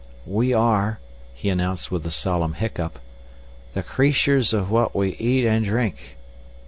"We are," he announced with a solemn hiccup, "the creashurs o' what we eat and drink."